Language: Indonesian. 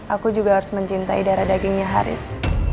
aku juga harus mencintai darah dagingnya haris